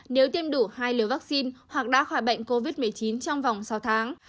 nếu tiêm đủ hai liều vaccine hoặc đã khỏi bệnh covid một mươi chín trong vòng sáu tháng